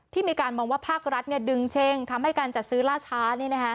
มีการมองว่าภาครัฐดึงเช่งทำให้การจัดซื้อล่าช้า